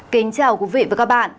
kính chào quý vị và các bạn